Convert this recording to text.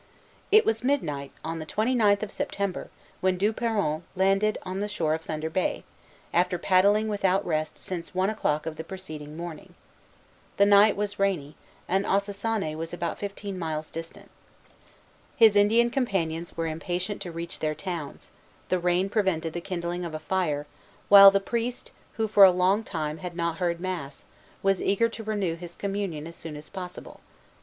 It was midnight, on the twenty ninth of September, when Du Peron landed on the shore of Thunder Bay, after paddling without rest since one o'clock of the preceding morning. The night was rainy, and Ossossané was about fifteen miles distant. His Indian companions were impatient to reach their towns; the rain prevented the kindling of a fire; while the priest, who for a long time had not heard mass, was eager to renew his communion as soon as possible.